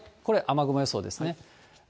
これ、雨雲予想ですね。